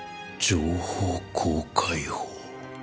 情報公開法。